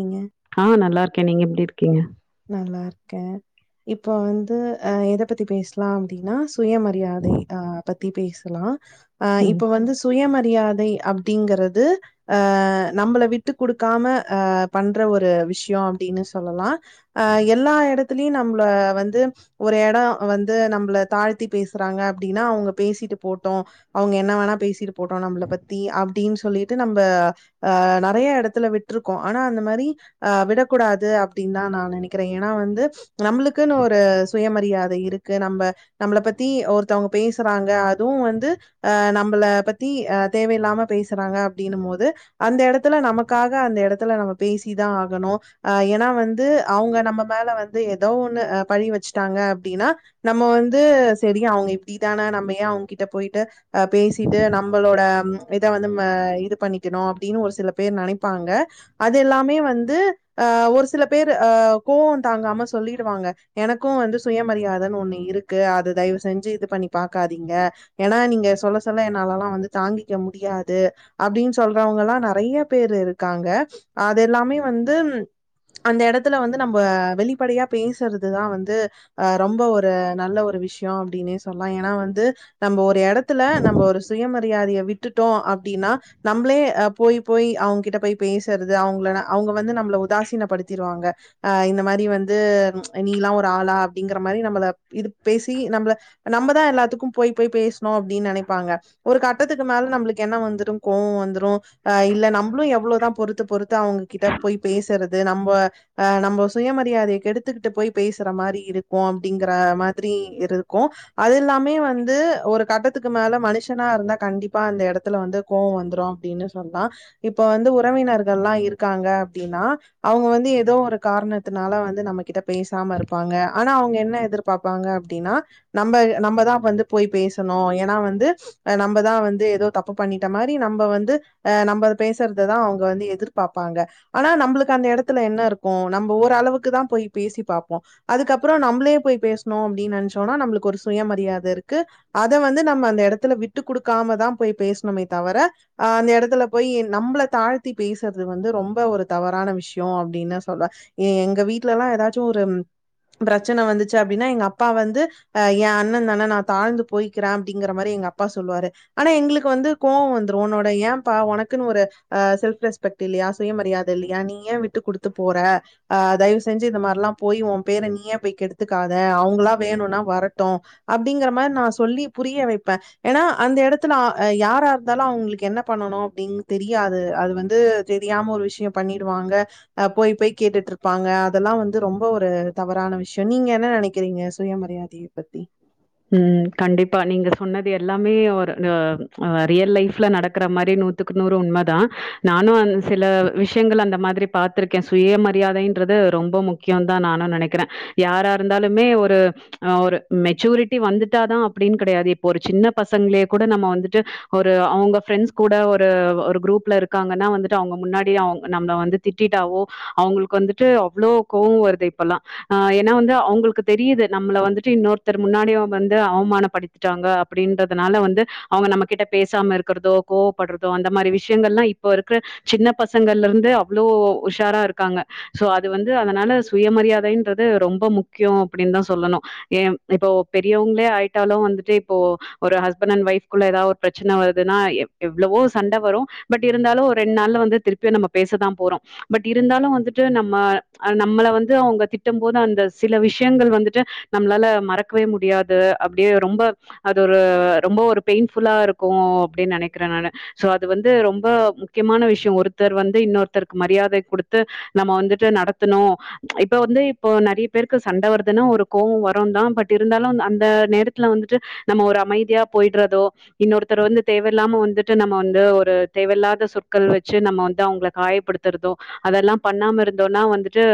ஏங்க ஆ நல்லா இருக்கே நீங்க எப்டி இருக்கீங்க நல்லா இருக்கே இப்ப வந்து ஆ எத பத்தி பேசலா அப்டின்னா சுயமரியாதை பத்தி பேசலா ஆ ம் இப்ப வந்து சுயமரியாதை அப்டிங்கிறது ஆ நம்மள விட்டு கொடுக்காம ஆ பண்ற ஒரு விஷயோ அப்டின்னு சொல்லலா ஆ எல்லா எடத்துலயோ நம்மள வந்து ஒரு எடோ வந்து நம்மள தாழ்த்தி பேசுறாங்க அப்டின்னா அவங்க பேசிட்டு போகட்டு அவங்க என்ன வேணா பேசிட்டு போட்டு நம்மள பத்தி அப்டின்னு சொல்லிட்டு நம்ம ஆ நெறைய எடத்துல விட்ருக்கோ ஆனா அந்த மாறி ஆ விடக்கூடாது அப்டின்னு தா நா நினைக் கிறெ ஏன்னா வந்து நம்மளுக்குன்னு ஒரு சுயமரியாதை இருக்கு நம்ம நம்மள பத்தி ஒருத்தவங்க பேசுறாங்க அதுவு வந்து ஆ நம்மள பத்தி ஆ தேவையில்லாம பேசுறாங்க அப்டின் போது அந்த எடத்துல நமக்காக அந்த எடத்துல நம்ம பேசி தா ஆகணு அ ஏன்னா வந்து அவுங்க நம்ம மேல வந்து ஏதோ ஒன்னு பழி வெச்சிட்டாங்க அப்டின்னா நம்ம வந்து செரி ஏ அவுங்க இப்டித்தானே நம்மையே அவுங்ககிட்ட போயிட்டு அ பேசிட்டு நம்மளோட இத வந்து இது பண்ணிக்கணோ அப்டின்னு ஒரு சில பேர் நெனைப்பாங்க அது எல்லாமே வந்து அ ஒரு சில பேர் அ கோவோ தாங்காம சொல்லிடுவாங்க எனக்கு வந்து சுயமரியாதைன்னு ஒண்ணு இருக்கு அத தயவு செஞ்சி இது பண்ணி பாக்காதீங்க ஏனா நீங்க சொல்ல சொல்ல என்னாலல்லா வந்து தாங்கிக்க முடியாது அப்டின்னு சொல்றவங்க எல்லாநெறைய பேரு இருக்காங்க அது எல்லாமே வந்து அந்த எடத்துல வந்து நம்ம வெளிப்படையா பேசுறது தா வந்து ஆ ரொம்ப ஒரு நல்ல ஒரு விஷயோ அப்டினே சொல்லலா ஏனா வந்து நம்ம ஒரு எடத்துல நம்ம ஒரு சுயமரியாதையை விட்டுட்டோ அப்டின்னா நம்மளே போய் போய் அவங்க கிட்ட போய் பேசுறது அவங்கள அவங்க வந்து நம்மள உதாசீனப்படுத் துவாங்க ஆ இந்த மாறி வந்து நீ எல்லா ஒரு ஆளா அப்டிங்கிற மாரி நம்மள இது பேசி நம்மள நம்மதா எல்லாத்துக்கு போய் போய் பேசணு அப்டின்னு நினைப்பாங்க ஒரு கட்டத்துக்கு மேல நம்மளுக்கு என்ன வந்துரு கோவோ வந்துடோ ஆ இல்ல நம்மளு எவ்ளோதா பொறுத்து பொறுத்து அவங்ககிட்ட பொய் பேசுறது நம்ம அ நம்ப சுயமரியாதையைக் கெடுத்துக்கிட்டு போய் பேசுற மாறி இருக்கோ அப்டிங்கிற மாரி இருக்கு அது இல்லாமே வந்து ஒரு கட்டத்துக்கு மேல மனுஷனா இருந்தா கண்டிப்பா அந்த எடத்துல வந்து கோவோ வந்துரோ அப்டின்னு சொன்னா இப்ப வந்து உறவினர்கள் எல்லா இருக்காங்க அப்டின்னா அவங்க வந்து ஏதோ ஒரு காரணத்தினால வந்து நம்ம கிட்ட பேசாம இருப்பாங்க ஆனா அவங்க என்ன எதிர் பாப்பாங்க அப்டின்னா நம்ம நம்மதா வந்து போய் பேசணு ஏன்னா வந்து நம்மதா வந்து ஏதோ தப்பு பண்ணிட்ட மாரி நம்ம வந்து ஆ நம்ம பேசுறத தா அவங்க வந்து எதிர்பாப்பாங்க ஆனா நம்மளுக்கு அந்த எடத்துல என்ன இருக்கு நம்ம ஓரளவுக்கு தா போய் பேசி பாப்போ அதுக்கப்பறோ நம்மளே போய் பேச னோ அப்டின்னு நினைச்சோம்னா நம்மளுக்கு ஒரு சுயமரியாதை இருக்கு அத வந்து நம்ம அந்த எடத்துல விட்டு கொடுக்காம தா போய் பேசணமோ தவிர அ அந்த எடத்துல போய் நம்மள தாழ்த்தி பேசறது வந்து ரொம்ப ஒரு தவறான விஷ விசியோ அப்டின்னு சொல்லற எங்க வீட்ல எல்லா ஏதாச்சோ ஒரு பிரச்சன வந்துச்சு அப்டின்னா எங்க அப்பா வந்து ஆ ஏ அண்ணதான நா தாழ்ந்து போய்கிற அப்டிங்கற மாரி எங்க அப்பா சொல்லுவாரு ஆனா எங்களுக்கு வந்து கோவ வந்துரு உன்னோட ஏம்ப்பா உனக்குன்னு ஒரு ஆ செல்ஃப் ரெஸ்பெக்ட் இல்லயா சுயமரியாத இல்லயா நீ ஏ விட்டு குடுத்து போற ஆ தயவு செஞ்சு இது மாதிரிலா போயி உ பேர நீயே போய் கெடுத்துக்காத அவங்களா வேணுனா வரட்டு அப்டிங்கற மாரி நா சொல்லி புரிய வைப்பே ஏன்னா அந்த எடத்துல யார இருந்தாலு அவங்களுக்கு என்ன பண்ணணு அப்டிங் தெரியாது அது வந்து தெரியாம ஒரு விஷய பண்ணிடுவாங்க ஆ போய் போய் கேட்டுட்டு இருப்பாங்க அதெல்லா வந்து ரொம்ப ஒரு தவறான விஷய நீங்க என்ன நெனைக்கிறீங்க சுயமரியாதி பத்தி ம் கண்டிப்பா நீங்க சொன்னது எல்லாமே ஒரு ரியல் லைஃப்ல நடக்கற மாரி நூத் நூத்துக்கு நூறு உண்ம தா நானு சில விஷயங்கள் அந்த மாதிரி பாத்திருக்கே சுயமரியாதை ன்றது ரொம்ப முக்கியோ தா நானு நெனைக்கிற யாரா இருந்தாலுமே ஒரு ஒரு மெச்சூரிட்டி வந்துட்டாதா அப்டின்னு கெடையாது இப்போ ஒரு சின்ன பசங்களே கூட நம்ம வந்துட்டு ஒரு அவங்க ஃப்ரெண்ட்ஸ் கூட ஒரு ஒரு குரூப்ல இருக்காங்கன்னா வந்துட்டு அவங்க முன்னாடி அவங்க நம்ம வந்து திட்டிட்டாவே அவங்களுக்கு வந்துட்டு அவ்ளோ கோவ வருது இப்பல்லா ஆ ஏன்னா வந்து அவங்களுக்கு தெரியுது நம்மள வந்துட்டு இன்னொருத் தரு முன்னாடி வந்து அவமானப்படுத்திட்டாங்க அப்டின்றதுனால வந்து அவங்க நம்ம கிட்ட பேசாம இருக்கிறதோ கோவப்பட்றதோ அந்த மாரி விஷயங்கள் எல்லா இப்போ இருக்கிற சின்ன பசங்கள்ல இருந்து அவ்ளோ உஷாரா இருக்காங்க சோ அது வந்து அதனால சுயமரியாதைன்றது ரொம்ப முக்கிய அப்டின்னு தா சொல்லணு ஏ இப்போ பெரியவங்களே ஆயிட்டாலு வந்துட்டு இப்போ ஒரு ஹஸ்பண்ட் அண்ட் ஒய்ப் குள்ள ஏதாவது ஒரு பிரச்சன வருதுன்னா எவ்ளவோ சண்ட வரு பட் இருந்தாலு ஒரு ரெண் நாள்ல வந்து திருப்பி நம்ம பேசதா போறோ பட் இருந்தாலு வந்துட்டு நம்ம நம்மள வந்து அவங்க திட்டம் போது அந்த சில விஷயங்கள் வந்துட்டு நம்மளால மறக்கவே முடியாது அப்டியே ரொம்ப அது ஒரு ரொம்ப ஒரு பெயின் ஃபுல்லா இருக்கு அப்டின்னு நெனைக்கிற நானு சோ அது வந்து ரொம்ப முக்கியமான விஷய ஒருத்தர் வந்து இன்னொருத்தருக்கு மரியாதை குடுத்து நம்ம வந்துட்டு நடத்தணு இப்ப வந்து இப்போ நெறைய பேருக்கு சண்ட வருதுன்னா ஒரு கோவ வருதா பட் இருந்தாலு அந்த நேரத்துல வந்துட்டு நம்ம ஒரு அமைதியா போயிட்றதோ இன்னொருத்தர வந்து தேவையில்லாம வந்துட்டு நம்ம வந்து ஒரு தேவையில்லாத சொற்கள் வெச்சு நம்ம வந்து அவங்க காயப்படுத்துறது அதெல்லா பண்ணாம இருந்தோன்னா வந்துட்டு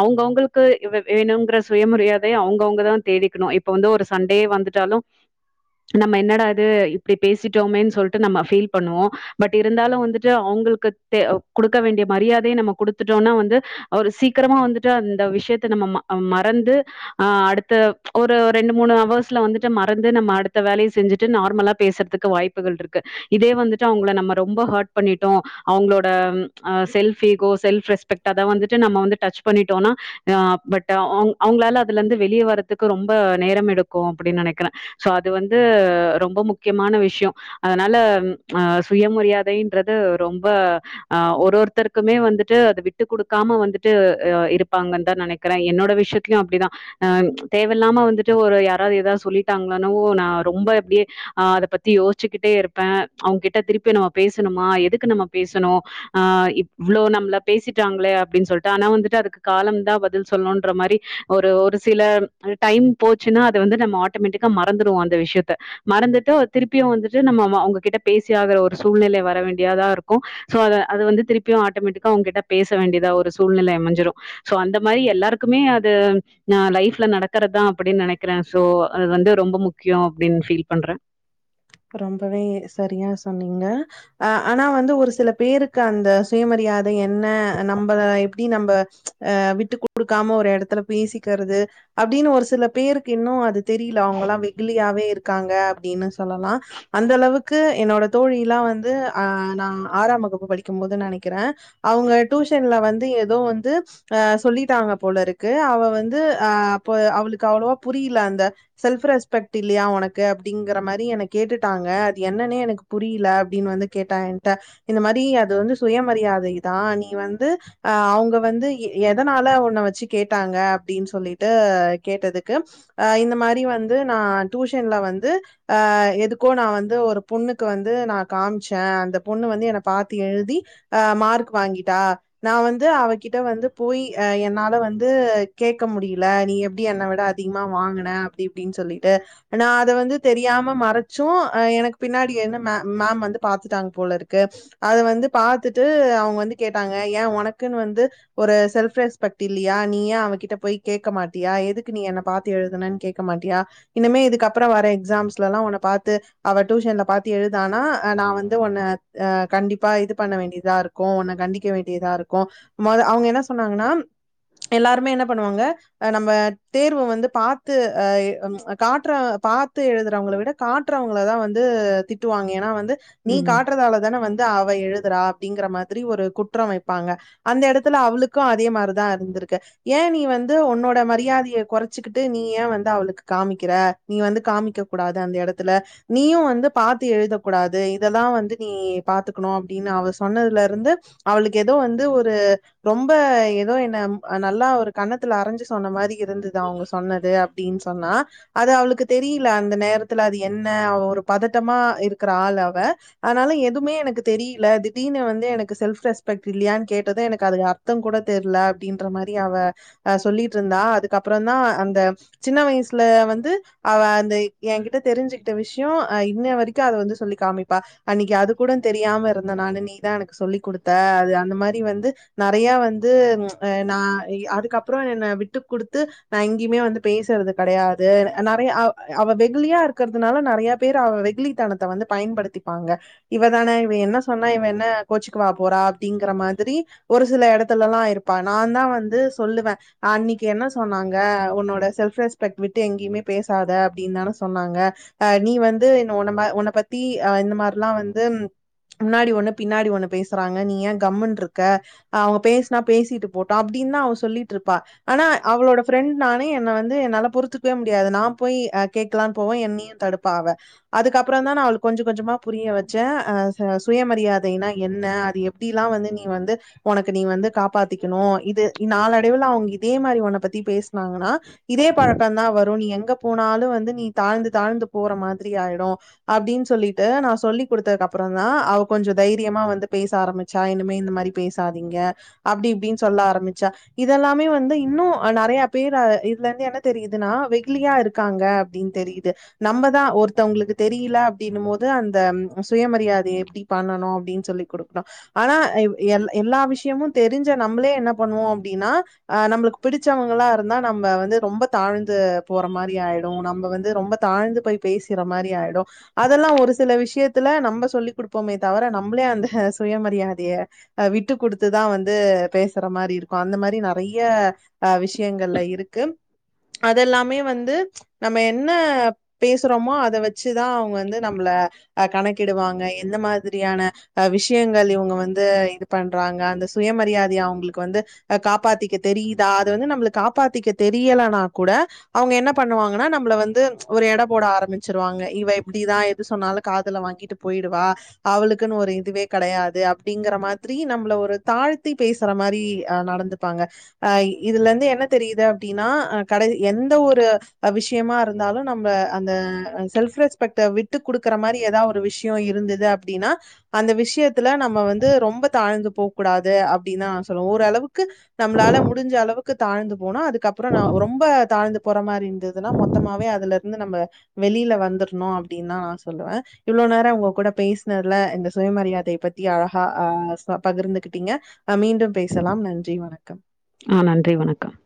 அவங்கவுங்களுக்கு வேணுங்கற சுயமரியாதைய அவங்கவுங்கதா தேடி கணு இப்ப வந்து ஒரு சண்டயே வந்துட்டாலு நம்ம என்னடா அது இப்டி பேசிட்டோமேன்னு சொல்லிட்டு நம்ம ஃபீல் பண்ணுவோ பட் இருந்தாலு வந்துட்டு அவங்களுக் கு குடுக்க வேண்டிய மரியாதைய நம்ம குடுத்துட்டோன்னா வந்து அவரு சீக்கிரமா வந்துட்டு அந்த விஷயத்த நம்ம மறந்து ஆ அடுத்த ஒரு ரெண்டு மூணு அவர்ஸ்ல வந்துட்டு மறந்து நம்ம அடுத்த வேலைய செஞ்சுட்டு நார்மலா பேசுறதுக்கு வாய்ப் ப்புகள் இருக்கு இதே வந்துட்டு அவங்கள நம்ம ரொம்ப ஹர்ட் பண்ணிட்டோ அவங்களோட ஆ செல்ஃப் ஈகோ செல்ஃப் ரெஸ்பெக்ட் நம்ம வந்து டச் பண்ணிட்டோன்னா ஆ பட் அவங்களால அதுல இருந்து வெளியே வர்றதுக்கு ரொம்ப நேரம் எடுக்கு அப்டின்னு நெனைக்கிற சோ அது வந்து ரொம்ப முக்கியமான விஷ்யோ அதனால சுயமரியாதைன்றது ரொம்ப ஆ ஒரு ஒருத்தருக்குமே வந்துட்டு அத விட்டு கொடுக்காம வந்துட்டு அ இருப்பாங்கன்னு தா நெனைக் கிற என்னோட விஷயத்திலயு அப்படிதா அ ம்ச் தேவயில்லாம வந்துட்டு ஒரு யாராவது ஏதாவது சொல்லிட்டாங்களனவோ நா ரொம்ப எப்டியே ஆ அத பத்தி யோசிசுக்கிட்டே இருப்ப அவங்க கிட்ட திருப்பி நம்ம பேசணுமா எதுக்கு நம்ம பேசணு ஆ இப் இவ்ளோ நம்மள பேசிட்டாங்களே அப்டின்னு சொல்லிட்டு ஆனா வந்துட்டு அதுக்கு காலம் தா பதில் சொல்லோன்ற மாரி ஒரு ஒரு சில டைம் போச்சுன்னா அத வந்து நம்ம ஆட்டோமேட்டிக்கா மறந்துடுவோ அந்த விஷயத்த மறந்துட்டு திருப்பியு வந்துட்டு நம்மவ அவங்ககிட்ட பேசியாகற ஒரு சூழ்நிலை வர வேண்டியாதா இருக்கு சோ அத அது வந்து திருப்பியு ஆட்டோமெட்டிக்கா அவங்க கிட்ட பேச வேண்டியதா ஒரு சூழ்நிலை அமைஞ்சிடு சோ அந்த மாரி எல்லாருக்குமே அது ஆ லைஃப்ல நடக் கிறதா அப்டின்னு நெனைக்கிறே சோ அது வந்து ரொம்ப முக்கியோ அப்டின்னு ஃபீல் பண்றே ரொம்பவே சரியா சொன்னீங்க அ ஆனா வந்து ஒரு சில பேருக்கு அந்த சுயமரியாதை என்ன நம்பள எப்டி நம்ப ம்ச் அ விட்டு குடுக்காம ஒரு இடத்துல பேசிக்கிறது அப்டின்னு ஒரு சில பேருக்கு இன்னு அது தெரியல அவங்கல்லாம் வெகுலியாவே இருக்காங்க அப்படின்னு சொல்லலா அந்த அளவுக்கு என்னோட தோழிலா வந்து அ நா ஆறாம் வகுப்பு படிக்கும் போது நெனைக்கிறே அவங்க டியூஷன்ல வந்து ஏதோ வந்து அ சொல்லிட்டாங்க போல இருக்கு அவ வந்து அ அப்ப அவளுக்கு அவ்ளோவா புரியல அந்த செல்ஃப் ரெஸ்பெக்ட் இல்லையா உனக்கு அப்படிங்கற மாரி எனக் கேட்டுட்டாங்க அது என்னன்னே எனக்கு புரியல அப்படின்னு வந்து கேட்டா இந்த மாரி அது வந்துஸ் சுயமரியாதைதா நீ வந்து அ அவங்க வந்து எதனால உன்ன வச்சு கேட்டாங்க அப்டின்னு சொல்லிட்டு கேட்டதுக் கு அ இந்த மாரி வந்து நா டியூஷன்ல வந்து ஆ எப் இதுக்கு நா வந்து ஒரு பொண்ணுக்கு வந்து நா காமிச்சே அந்த பொண்ணு வந்து என்ன பாத்து எழுதி ஆ மார்க் வாங்கிட்டா நா வந்து அவகிட்ட வந்து போய் அ என்னால வந்து கேக்க முடியல நீ எப்டி என்ன விட அத் திகமா வாங்கினே அப்படி இப்டின்னு சொல்லிட்டு நா அத வந்து தெரியாம மறச் சு அ எனக்கு பின்னாடி என்ன மே மேம் வந்து பாத்துட்டாங்க போல இருக்கு அத வந்து பாத்துட்டு அவங்க வந்து கேட்டாங்க ஏ உனக்குன்னு வந்து ஒரு செல்ஃப் ரெஸ்பெக்ட் இல்லையா நீய அவ கிட்ட போய் கேக்க மாட்டியா எதுக் கு நீ என்ன பாத்து எழுதுனன் கே்க மாட்டியா இனிமே இதுக்கு அப்புறோ வர எக்ஸாம்ஸ்லல்லா உன்ன பாத் து அவ டியூஷன்ல பாத்து எழுதானா நா வந்து ஒன்ன ஆ கண்டிப்பா இது பண்ண வேண்டியதாருக் கு உன்ன கண்டிக்க வேண்டியதா இருக்கு மொத அவங்க என்ன சொன்னாங்கன்னா எல்லாருமே என்ன பண்ணுவாங்க ஆ நம்ப தேர்வ வந்து பாத்து அ [unintelligible] காட்டுற பாத்து எழுதுறவங்கள விட காட்டுறவங்களதா வந்து திட்டுவாங்க ஏன்னா வந்து நீ ம் காட்டுறதால தான வந்து அவ எழுத் துறா அப்டிங்கிற மாதிரி ஒரு குற்றம் வைப்பாங்க அந்த இடத்துல அவளுக்கு அதே மார்தா இருந்திருக்கு ஏ நீ வந்து உன்னோட மரியாதைய கொறச் சுக்கிட்டு நீ ஏன் வந்து அவளுக்கு காமிக்கிற நீ வந்து காமிக்க கூடாது அந்த இடத்துல நீயு வந்து பாத்து எழுதக்கூடாது இதெல்லா வந்து நீ பாத்துக்கணு அப்படின்னு அவர் சொன்னதுலருந்து அவளுக்கு ஏதோ வந்து ஒரு ரொம்ப ஏதோ என்னம் நல்லா ஒரு கண்ணத்துல அரைஞ்சு சொன்ன மாரி இருந்தது அவங்க சொன்னது அப்படின்னு சொன்னா அது அவளுக்கு தெரியல அந்த நேரத்துல அது என்ன ஒரு பதட்டமா இருக்கிற ஆள் அவ அதனால எதுமே எனக்கு தெரியல திடீர்னு வந்து எனக்கு செல்ஃப் ரெஸ்பெக்ட் இல்லையான்னு கேட்டது எனக்கு அதுக்கு அர் தோ கூட தெர்ல அப்டின்ற மாரி அவ சொல்லிட்ருந்தா அதுக்கப்புறோ தா அந்த சின்ன வயசுல வந்து அவ அந்த ஏ கிட்ட தெரிஞ்சுக்கிட்ட விஷயோ அ இன்ன வரைக்கு அத வந்து சொல்லி காமிப்பா அன்னைக்கு அது கூட தெரியாம இருந்த நானு நீ நீ தா எனக்கு சொல்லி கொடுத்த அது அந்த மாதிரி வந்து நெறையா வந்து நா அதுக்கப்றோ என்ன விட்டு கொடுத்து நான் எங்கேயுமே வந்து பேசறது கிடையாது நெறைய அவ வெகுலியா இருப்பா இருக்கறதுனால நெறைய பேர் வெகுளித்தனத்த வந்து பயன்படுத்திப்பாங்க இவ தான இவ என்ன சொன்னா இவ என்ன கோச்சிக்கு வா போறா அப்டிங்கிற மாதிரி ஒரு சில இடத்துலெல்லா இருப்பா நா தா வந்து சொல்லுவே அன்னைக்கு என்ன சொன்னாங்க உன்னோட செல்ஃப் ரெஸ்பெக்ட் விட்டு எங்கயுமே பேசாத அப்டினு தான சொன்னாங்க அ நீ வந்து என்ன உன்ன மா உன்ன பத்தி அ இந்த மாரிலா வந்து முன்னாடி ஒண்ணு பின்னாடி ஒண்ணு பேசறாங்க நீ ஏ கம்முன்னு இருக்க அவங்க பேசுனா பேசிட்டு போட்டு அப்டினு தா அவ சொல்லிட்டு இருப்பா ஆனா அவளோட ஃப்ரெண்ட் நானே என்ன வந்து என்னால பொறுத்துக்கவே முடியாது நா போய் அ கேக்கலானு போவ என்னையு தடுப்பா அவ அதுக்கப்றோ தா நா அவளுக்கு கொஞ்ச கொஞ்சமா புரிய வச்ச அ சுயமரியாதைனா என்ன அது எப் டி லா வந்து நீ வந்து உனக்கு நீ வந்து காப்பாத்திக்கணு இது நாலடைவுல அவுங்க இதே மாரி உன்ன பத்தி பேஸ் னாங்கனா இதே பழக்க தா வரு நீ எங்க போனாலு வந்து நீ தாழ்ந்து தாழ்ந்து போற மாதிரி ஆயிடு அப்டினு சொல்லிட்டு நா சொல்லி் குடுத்ததுக்கு அப்றோ தா அவ கொஞ்ச தைரியமா வந்து பேச ஆரமி ச்சா இனிமே இந்த மாரி பேசாதீங்க அப்டி இப்டினு சொல்ல ஆரம்மிச்சா இதெல்லாமே வந்து இன்னு நெறையா பேர் இதுல இருந்து என்ன தெரியுதுனா வெகுலியா இருக்காங்க அப்டினு தெரியுது நம்ப தா ஒருத்தவங்களுக்கு தெரில அப்டினு போது அந்த சுயமரியாத எப்டி பண்ணனு அப்டினு சொல்லி குடுக்கனு ஆனா எல்லா விஷயமு தெரிஞ்ச நம்மளே என்ன பண்ணுவோ அப்டினா ஆ நம்பளுக்கு பிடிச்சவங்கனளா இருந்தா நம்ம வந்து ரொம்ப தாழ்ந்து போற மாதிரி ஆயிடு நம்ம வந்து ரொம்ப தாழ்ந்து போய் பேசிற மாரி ஆயிடு அதெல்லா ஒரு சில விஷயத்துல நம்ப சொல்லி் குடுப்போமே தவிர நம்பளே அந்த சுயமரியாதைய அ விட்டு குடுத்துதா வந்து பேசுற மாரி இருக்கு அந்த மாதிரி நெறைய ஆ விஷயங்கள்ல இருக்கு அதெல்லாமே வந்து நம்ப என்ன பேசுறோமோ அத வச்சுதா அவங்க வந்து நம்பள அ கணக்கிடுவாங்க எந்த மாதிரியான அ விஷயங்கள் இவங்க வந்து இது பண்றாங்க அந்த சுயமரியாதைய அவங்களுக்கு வந்து அ காப்பாத்திக்க தெரித் தா அது வந்து நம்பள காப்பாத்திக்க தெரியலனா கூட அவங்க என்ன பண்ணுவாங்கனா நம்பள வந்து ஒரு எட போட ஆரமிச்சிருவாங்க இவ இப்டிதா எது சொன்னாலு காதுல வாங்கிட்டு போயிடுவா அவளுக்குனு ஒரு இதுவே கெடையாது அப் டிங்கற மாதிரி நம்மள ஒரு தாழ்த்தி பேசுற மாரி ஆ நடந்துப்பாங்க அ இதுல இருந்து என்ன தெரியுது அப்டினா அ கட எந்த ஒரு விஷயமா இருந்தாலு நம்ப அந்த செல்ப் ரெஸ்பெக்ட விட்டு குடுக்குற மாரி ஏதாவ் ஒரு விஷயோ இருந்தது அப்டினா அந்த விஷயத்துல நம்ப வந்து ரொம்ப தாழ்ந்து போ கூடாது அப்டினுதா நா சொல்லுவ ஓரளவுக்கு நம்பளால முடிஞ்ச அளவுக்கு தாழ்ந்து போனு அதுக்கப்றோ ரொம்ப தாழ்ந்து போற மாதிரி இருந்ததுனா மொத்தமாவே அதுல இரு ந்து நம்ப வெளியில வந்துரணு அப்டினு தா நா சொல்லுவ இவ்ளோ நேர உங்க கூட பேஷ்னதுல இந்த சுயமரியாதை பத்தி அழகா அ பகிர்ந்துகிட்டீங்க அ மீண்டு பேசலாம் நன்றி வணக்கம் ஆ நன்றி வணக்கம்